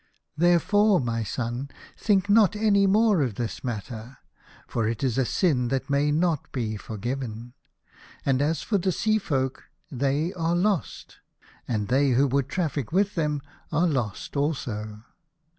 Therefore, my son, think not any more of this matter, for it is a sin that may not be forgiven. And as for the Sea folk, they are lost, and they who would traffic with them are lost also.